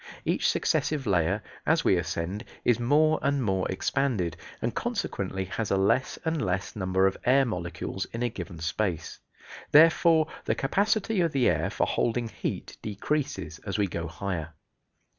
Each successive layer, as we ascend, is more and more expanded, and consequently has a less and less number of air molecules in a given space. Therefore the capacity of the air for holding heat decreases as we go higher.